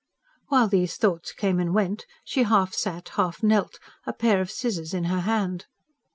While these thoughts came and went, she half sat, half knelt, a pair of scissors in her hand.